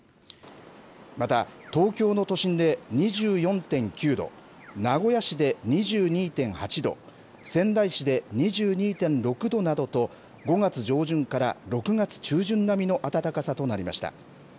また、東京の都心で２４．９度、名古屋市で２２．８度、仙台市で２２．６度などと、５月上旬から６月中旬並みの暖かさとなりました。